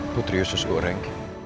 putri yusuf goreng